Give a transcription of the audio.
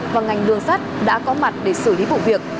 và ngành đường sắt đã có mặt để xử lý vụ việc